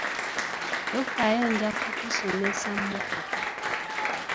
Tofaayo nja kukusomesa mmotoka.